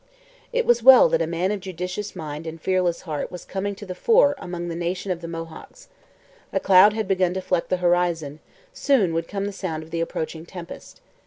It was well that a man of judicious mind and fearless heart was coming to the fore among the nation of the Mohawks. A cloud had begun to fleck the horizon; soon would come the sound of the approaching tempest.